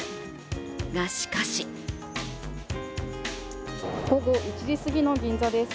が、しかし午後１時すぎの銀座です。